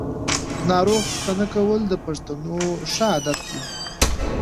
ناروغ پوښتنه کول د پښتنو ښه عادت دی.